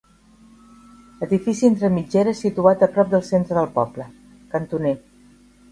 Edifici entre mitgeres situat a prop del centre del poble, cantoner.